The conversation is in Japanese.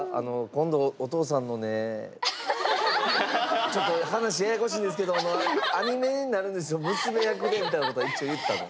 「今度お父さんのねちょっと話ややこしいんですけどアニメになるんですよ娘役で」みたいなことは一応言ったの？